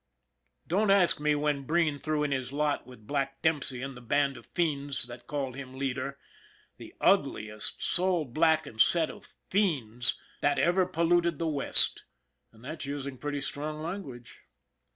Don't ask me when Breen threw in his lot with Black Dempsey and the band of fiends that called him leader the ugliest, soul blackened set of fiends that 60 ON THE IRON AT BIG CLOUD ever polluted the West, and that's using pretty strong language.